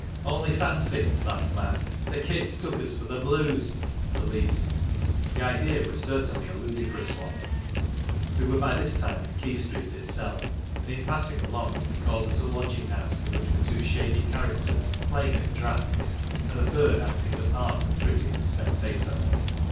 "Only fancy," laughed Mac, "the kids took us for the "blues" (police), The idea was t certainiy a ludicrous one. We were by this time in Quay street itself, and in passing along we called at a lodging house, in which were two shady characters playing at draughts, and a third acting the part of critic and spectator.